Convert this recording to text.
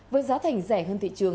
với giá thành rẻ hơn thị trường